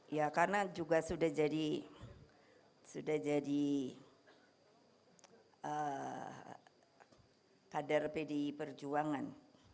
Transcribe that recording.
ya karena juga sudah jadi kader pdi perjuangan